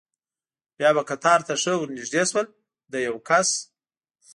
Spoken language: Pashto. بیا به قطار ته ښه ور نږدې شول، د یو کس.